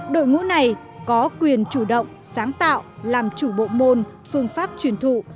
đội ngũ này có quyền chủ động sáng tạo làm chủ bộ môn phương pháp truyền thụ